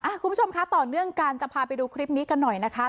คุณผู้ชมคะต่อเนื่องกันจะพาไปดูคลิปนี้กันหน่อยนะคะ